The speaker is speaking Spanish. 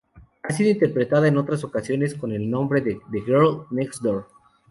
Ha sido interpretada en otras ocasiones con el nombre de "The Girl Next Door".